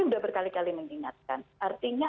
sudah berkali kali mengingatkan artinya